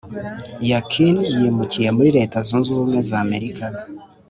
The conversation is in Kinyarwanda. Yakin yimukiye muri leta zunze ubumwe z’amarika